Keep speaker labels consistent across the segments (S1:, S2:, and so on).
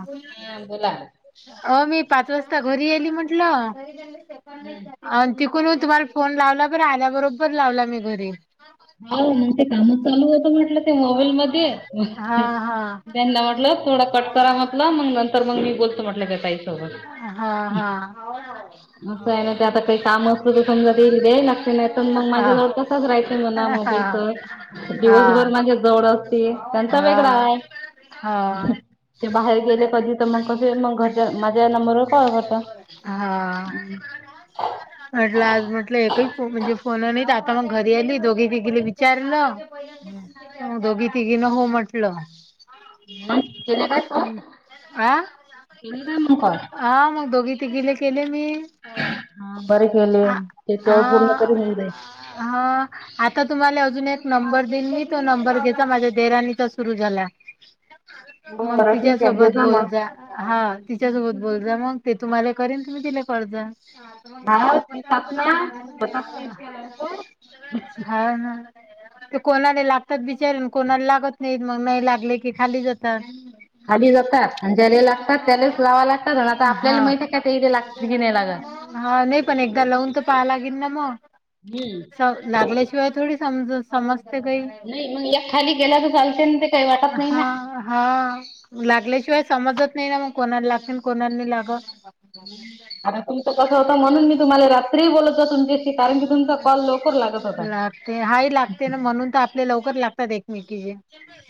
S1: हो
S2: हा बोला हम्म.
S1: हो मी पाच वाज [unintelligible] [inaudible] घरी म्हट [inaudible] [unintelligible] ून तुम्हाला फोन लावला ब आल्याबरोबर लावला मी घरी [unintelligible] [inaudible]
S2: चाल होत [unintelligible] [inaudible] म्ह मोबाईल म
S1: हा हा
S2: त्यांना म्हटलं थोड कट करा म्हटलं मग नंतर मग [unintelligible] [inaudible] बोलतो म्हटलं काय काई स [unintelligible] [unintelligible]
S1: हा हा [unintelligible] [inaudible]
S2: असं आहे ना ते आता काही काम असल तर समजा येईल द नगते नाही तर मग
S1: हा
S2: माझ्याजवळ तसांच राहाचंय मणा मग [unintelligible] [inaudible] [unintelligible] दिवसभर
S1: हा
S2: म्हणजे जव त्यांचा वेगळा
S1: हा
S2: आहे
S1: हा
S2: ते बाहेर गेले कधी तर मग क मग घरच्या माझ्या नंबर
S1: हा.
S2: हम्!
S1: म्हटलं आज म्हटलं एकही म्हणजे फोन नाही आता मग घरी आली दोघी तिघीला विचारलं. दोघी तिघी न हो म्हटलं.
S2: हम्!
S1: हम्म! आ.
S2: केले काय मग कॉल?
S1: हा मग दोघी तिघीले केले मी.
S2: हा बरे केले
S1: आ
S2: ते तेवढ पूर्ण
S1: हा
S2: तरी होऊ दे.
S1: हा आता तुम्हाला अजून एक नंबर दिन तो नंबर घ्यायचा माझ्या देवरानीचा सुरू झाला. मग
S2: बरं
S1: तिच्या
S2: ठीक आहे दे
S1: सोबत बोल
S2: मग
S1: जा हा तिच्यासोबत बोल जा मग. ते तुम्हाला करेन तुम्ही तिला करत जा. [unintelligible]
S2: हा तिसात ना होतात नाही इतक्या लवकर
S1: हा ना. ते कोणाने लागतात विचारून कोणाला लागत नाहीत मग नाही लागले की खाली जातात.
S2: खाली जातात आणि ज्याला लागतात त्यालाच लावा लागतात आणि आता आपल्याला
S1: हा
S2: माहती आहे का ते लाग की नाही लागत.
S1: हा नाही पण एकदा लवून तर पहा लागेल ना मग. लागल्याशिवाय
S2: हम्!
S1: थोडी समज सम काही
S2: मग एक खाली गेल्या तर चालते ना ते काही
S1: [inaudible]
S2: वाटत नाही ना.
S1: हा हा. लागल्याशिवाय समजत नाही ना मग कोणाला लागतील कोणाला नाही लागत.
S2: आता तुम तर कस होत म्हणून मी तुम्हाला रात्री बोलत तुमचे
S1: लागते हा लागते ना म्हणून तर. आपले लवकर लागतात एकमेकीचे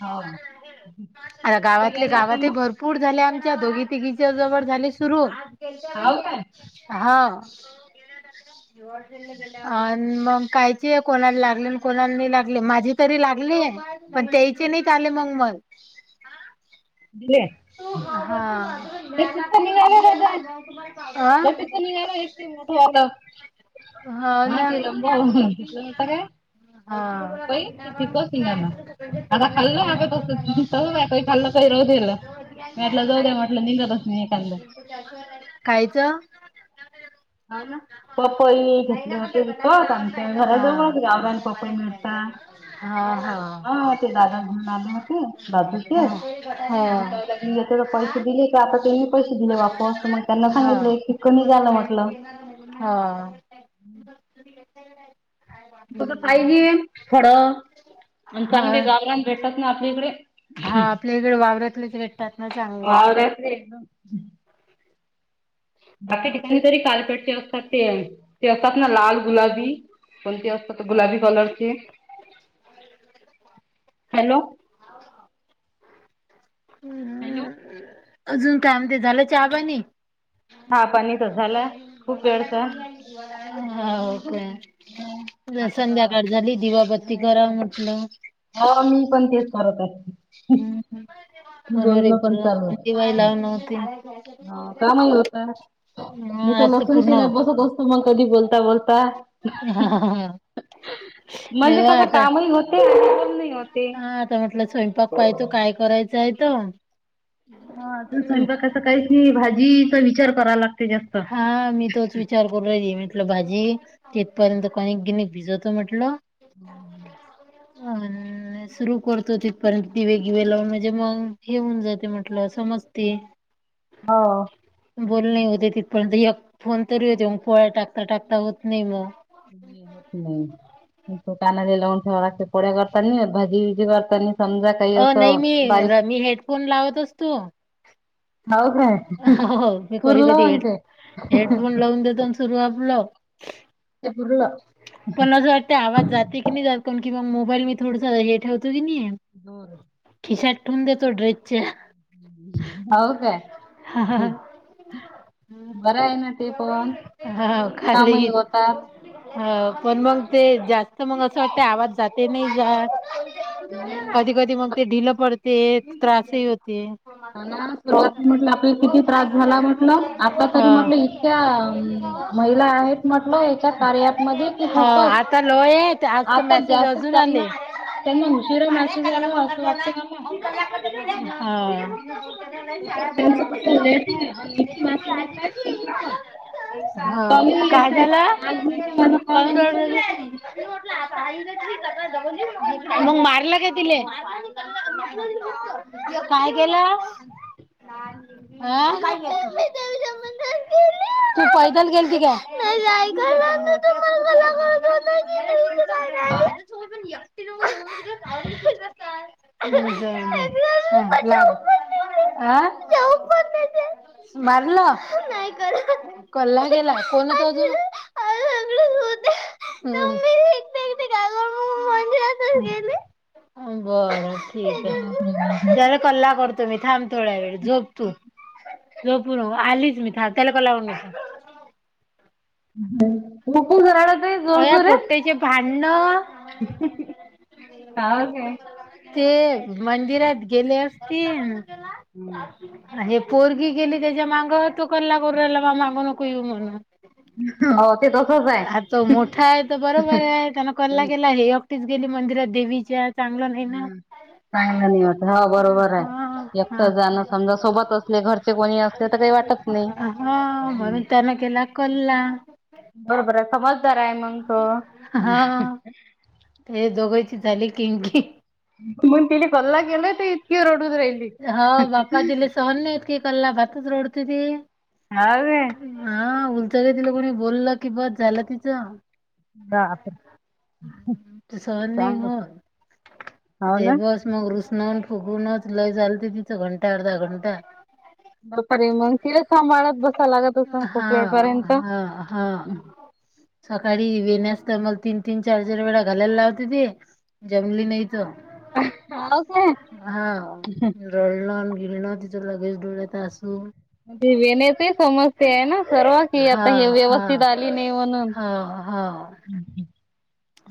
S2: हा कुठे
S1: आता गावातले
S2: गेल्या होत्या
S1: गावात
S2: मग
S1: भरपूर झाले आ. दोघी तिघीच्या जवळ झाली सुरू
S2: हाव काय
S1: हा. [inaudible] मग कायची आहे कोणाला लागली आणि कोणाला नाही लागली माझी तरी लागली. पण त्यायचे नाही आले मग मग.
S2: दिले
S1: तुला्याय लागते तु ना तम.
S2: बस त निघाल एकती मोठ आता हा ते लांब घेतलं नव्हता काय.
S1: [unintelligible]
S2: पपई ते पिकच निघाला. आता खाल्लं आता तसंच तसंच आहे काही खाल्लं काही राहू दिलं. मी म्हटलं जाऊ द्या म्हटलं निघतच नाही एखांद हो
S1: [unintelligible] काही . [unintelligible]
S2: [unintelligible] घेतले होते कळत आमच्या घरा जवळच गावरान पपई मिळतात. हा ते दादा घेऊन आले होते दादूचे त कायलाच्या पैसे दिले का. आता त्यांनी पैसे दिले वापस मग त्यांना
S1: हा
S2: सांगितलं की कमी झालं म्हटलं.
S1: हा. [inaudible]
S2: तस
S1: हम्म.
S2: पाहिजे खड आणि
S1: हा
S2: चांगले गावरान भेटत ना आपल्या
S1: हा
S2: इकडे.
S1: आपल्या इकडे वावरातलेच भेटतात ना चांगले.
S2: हवा [inaudible] बाकी ठिकाणी तरी कालपेटचे असतात ते ते असतात ना लाल गुलाबी. कोणती असतात गुलाबी कलरची
S1: [inaudible]
S2: हॅलो! हॅलो
S1: हम्! अजून काय म्हणते झालं चहापाणी?
S2: हा. बा
S1: [inaudible] हा का
S2: आता तर
S1: संध्याकाळ झाली दिवाबत्ती करा म्हटलं.
S2: हा मी पण तेच करत असते.
S1: हम् हम्. म्हनोरे
S2: पण चालू
S1: दिवाई
S2: आहे
S1: लाव नव्हती
S2: ह का नाही होता मी
S1: ह.
S2: तर लसूण शिलाई बसत असतो मग कधी बोलता बोलता.
S1: हा लय
S2: म्हणजे कस
S1: वा आता
S2: कामही होते. होते
S1: हा आता म्हटलं स्वयंपाक पाह तो काय करायचं आहे त.
S2: ह तर स्वयंपाकाच काहीच नाही भाजीचा विचार करा लागत.
S1: हा मी तोच विचार करू रा म्हटलं भाजी पर्यंत कणीक गिनीक भिजतो म्हटल अ सुरु करतो तिथपर्यंत दिवेगिवे लावून म्हणजे मग हे होऊन जाते म्हटलं मग समजते.
S2: हो.
S1: बोल नाही होते तिथ पर्यंत एक फोन तरी होते मग पोळ्या टाकता, टाकता होत नाही मग.
S2: नाही होत नाही. तो कानले लावून ठेवा लागते पोडया करता भाजी गिजी करतानी.
S1: अ नाही मी र मी हेडफोन लावत असतो.
S2: हाव काय
S1: हो मी कधी
S2: पुरलं
S1: कधी हे
S2: मग ते
S1: हेडफोन लावून देतो सुरू आपलं
S2: ते पुरलं
S1: पण असं वाटत आवाज जाते की नाही जात कावुन की मग. मोबाईल मी थोडस हे ठेवतो की नाही खिशात ठेवून देतो ड्रेसच्या.
S2: हाव काय
S1: हा हा ह.
S2: बरं आहे ना ते पण कामही होतात.
S1: ह पण मग ते जास्त मग असं वाटते आवाज जाते नाही जात.
S2: हम्म
S1: कधी कधी मग ते ढिलं पडते त्रासही होते.
S2: हो ना सुरुवाती म्हटलं आपल्या किती त्रास झाला म्हटल आता तरी
S1: हा
S2: म्हटलं इतक्या महिला आहेत म्हटलं याच्यात.
S1: हो आता लोय आज तर
S2: आता
S1: मेसेज
S2: जास्त
S1: अजून
S2: त्यांना
S1: आले.
S2: त्यांना उशिरा मेसेज आला असं वाटते मला
S1: [unintelligible] नाही ब
S2: कसं त्यांचं
S1: [inaudible]
S2: लेट आहे आणि इकी [unintelligible] मासेट तूपन
S1: ह काय झाला
S2: पण आज मी काय माझा कॉल
S1: काऊन रडुरायली
S2: उचललाच नाही.
S1: मग मारल का तिले? काय केला? हा मण अस [unintelligible] तू पैदल गेलती काय? चो भली [unintelligible] ह ह ला [unintelligible] हा जवु पण नाही देत. मारलं कल्ला गेला कोण हो तो तो. [unintelligible] तु् ग [unintelligible] ज गे बर [inaudible] ठीक आहे त्याला कल्ला करतो मी थांब थोड्या वेळ झोप. झोपूर आलीच मी थ त्याला कला करु नको.
S2: गपूर घराड [unintelligible]
S1: अ या पोट्ट्याचे भांडण.
S2: काय काय
S1: ते मंदिरात गेले असतील हे पोरगी गेली त्याच्या माग तू कलाला करुन राहिला माया माग नको येऊ म्हणून.
S2: हो ते तसच आहे.
S1: हा तो मोठा आहे तर बरोबर आहे त्यान कल्ला केला हे एकटीच गेली मंदिरात देवीच्या. चांगलं नाही ना.
S2: चांगल नाही वाटत ह बरोबर
S1: हा
S2: आहे
S1: हा
S2: एकटं जाणं समजा सोबत असले घरचे कोणी असले तर काही. वाटत नाही
S1: हा म्हणून त्यान केला कल्ला.
S2: बरोबर आहे समजदार आहे मंग तो.
S1: हे दोघांची झाली किमकी.
S2: म त्याला कला केला तर इतकी रडु
S1: हो बापा तिले सहन नाही होत की कल्ला बातच रोडते ते.
S2: हा काय
S1: हा उचान तिला कोणी बोललं की बस झालं तिचं.
S2: बापरे
S1: त सनणी
S2: चांगलं
S1: हो.
S2: हो
S1: अ
S2: ना
S1: बस मगरुषना. फुगूनच लय झालते तिथं घंटा अर्धा घंटा.
S2: बपारी म तीला सांभाळत बस. क लाग असून
S1: हा
S2: खूप वेळ पर्यंत.
S1: हा हा सकाळी येेण्यास तर मला तीन तीन चार चार वेळा घालायला लावते ते जमली नाही.
S2: हाव काय?
S1: हा र ग ति लगेच डोळ्यात आसू
S2: म्हणे वेण्याची समस्या आहे ना सर्व कि
S1: हा
S2: आता हे
S1: हा
S2: व्यवस्थित आली नाही म्हणून.
S1: हा, हा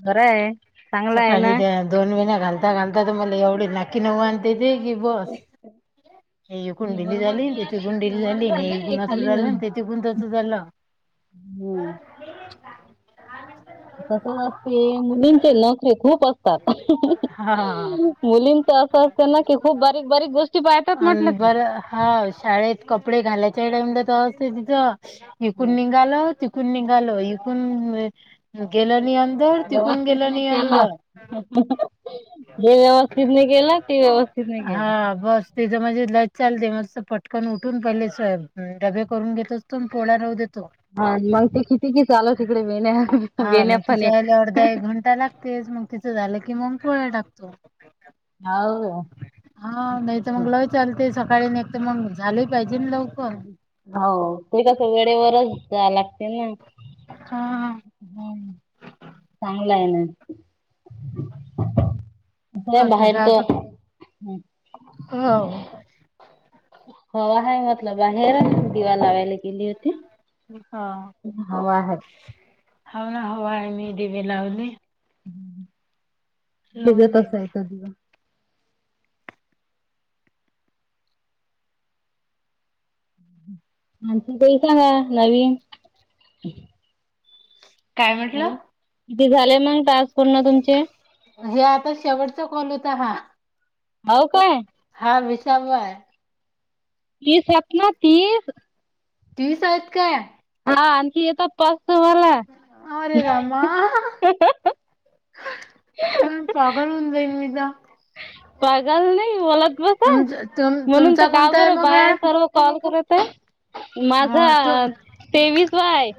S2: खरं आहे चांगलं आहे
S1: सकाळी
S2: ना.
S1: त्या वेण्या घालता, घालता तर मला एवढी नक्की नऊ आणते देगी बस हे कुंडली झाली तेथे कुंडिली झालीण असं झालं तेथिकण तसं झालं [inaudible]
S2: हम्म. तसंच
S1: हा
S2: मुलीं तर असं असतं ना की खूप बारीक बारीक गोष्टी पाहतात म्हटलं ते.
S1: बर हा शाळेत कपडे घालायच्या टाइमिंग ला तेव्हाच ते तिथं ऐकून
S2: हं,
S1: निघालं तिक इकून निघाल इकून गेलं नि अंदर तिकून गेलं नि अंदर
S2: जे व्यवस्थित नाही केलं ते व्यवस्थित नाही केलं
S1: हां, बस तिचं म्हणजे चालते मस् पटकन उठून पहिले सब डबे करून घेतोचतो पोळा राहू द
S2: हा मग ते किती की चालू तिकडे वेण्या
S1: हा
S2: वेण्या
S1: मग
S2: फण्या.
S1: तिच्या यायला अर्धा एक घंटा लागते. मग तिचं झालं की मग पोळ्या टाकतो.
S2: हाव
S1: हा नाही तर मग लय चालतेस सकाळी नघ तर मग झालं पाहिजे ना लग
S2: हो ते कस वेळेवरच जा लागते ना
S1: हां,
S2: हम् चांगलं आहे ना ह
S1: आता
S2: बाहेर त
S1: राग हो
S2: हो आहे म्हटलं बाहेरच दिवा लावायला गेली होती हो आहे
S1: हव ना हवा आ मी देवे लावली
S2: भिजत आहे
S1: दिले.
S2: त तला आणि त तेही सांगा नवीन
S1: काय म्हटलं?
S2: कीती झाले मग टास्क पूर्ण तुमचे
S1: हे आता शेवटचा कॉल होता हा
S2: हो काय?
S1: हा विसावा आहे
S2: तीसत ना तीस
S1: तीस आहेत काय
S2: हा आणखी येतात पाच तुम्हाला
S1: अरे रामा हा पागल होऊन जाईन मी जा
S2: पागल नाही बलात बसा
S1: तुम
S2: म्हणून तर
S1: तुमचा
S2: का
S1: कोणता आहे
S2: बर
S1: मग हा?
S2: बाया सर्व कॉल कर तर माझा
S1: हा
S2: तेवीस वा आहे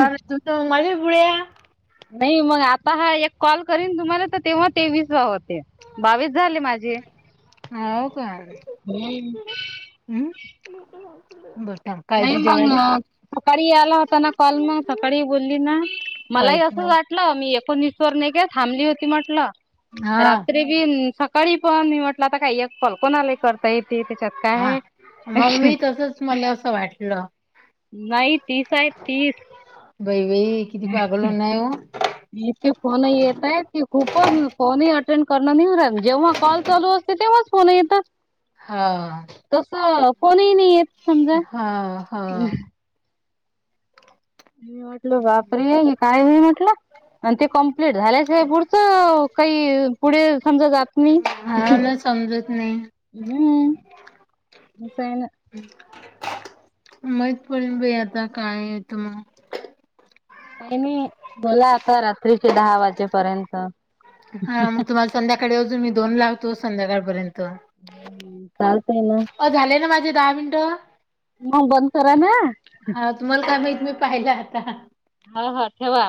S1: बार तू माझ्या पुडया
S2: नाही मग आता हा एक कॉल करीन तुम्हाला तर तेव्हा तेवीस होते बावीस झाले. माझे
S1: हो का
S2: हम्म.
S1: हम् बस
S2: नाही पग सकाळी आला होता ना कॉल मग सकाळी बोलली ना मलाही
S1: पाहिजे
S2: असं
S1: नाही.
S2: वाटलं मी एकोणीसवर थांबली होती म्हट
S1: हा
S2: रात्री बी तरी पण मी म्हटलं आता काय ये कल्पनालय करता येते त्याच्यात
S1: हा.
S2: काय
S1: मग
S2: आहे
S1: मी तसच मला [inaudible]
S2: नाही तीस आहे तीस
S1: बाई बाई किती पागल ऊन आहे ओ
S2: इतके फोन ही येतायत की, खूपच फोनही अटेंड करण होवू नाही राहील, जेव्हा कॉल चालू अस. तेव्हाच फोन येतात.
S1: हा.
S2: कोण ही नाही येत समजा.
S1: हा हा.
S2: मी म्हटल बापरे हे काय हे? म्हटलं आणि ते कम्प्लीट झाल्याशिवाय पुढचं काही पुढे समजा जात. नाही.
S1: हा ना समजत नाही.
S2: हुं आस हाय ना
S1: माहित पडले बाई आता काय येतं मग
S2: नाही नाही बोला आता रात्रीचे दहा वाजेपर्यंत
S1: हा मग तुम्हाला संध्याकाळी अजून मी दोन लावतो संध्याकाळपर्यंत
S2: चालतय ना.
S1: ओ झाले ना माझे दहा मिनट
S2: मग बंद करा ना.
S1: तुम्हाला काय माहित मी पाहिलं आता
S2: हा, हा ठेवा